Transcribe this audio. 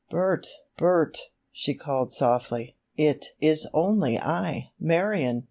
"Bert! Bert!" she called softly. "It is only I, Marion!